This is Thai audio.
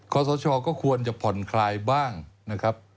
ข้อสาวชอบก็ควรจะผ่อนคลายบ้างนะครับ